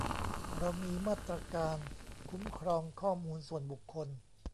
เรามีมาตราการคุ้มครองข้อมูลส่วนบุคคล